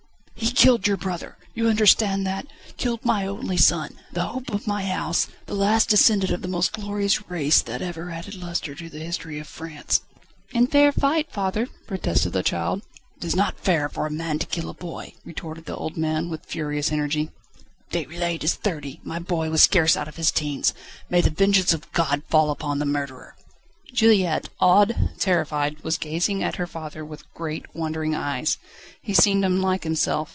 "He killed your brother! You understand that? Killed my only son, the hope of my house, the last descendant of the most glorious race that has ever added lustre to the history of France." "In fair fight, father!" protested the child. "'Tis not fair for a man to kill a boy," retorted the old man, with furious energy. "Déroulède is thirty: my boy was scarce out of his teens: may the vengeance of God fall upon the murderer!" Juliette, awed, terrified, was gazing at her father with great, wondering eyes. He seemed unlike himself.